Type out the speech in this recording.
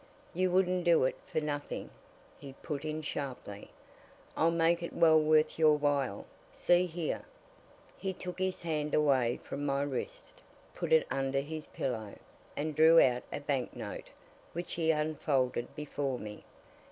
"You wouldn't do it for nothing," he put in sharply. "I'll make it well worth your while. See here!" He took his hand away from my wrist, put it under his pillow, and drew out a bank note, which he unfolded before me.